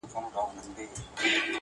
كبرجن وو ځان يې غوښـتى پــه دنـيـا كي.